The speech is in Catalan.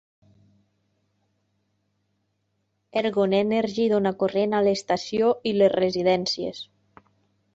Ergon Energy dona corrent a l'estació i les residències.